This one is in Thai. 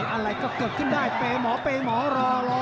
อะไรก็เกิดขึ้นได้ไปหมอรอ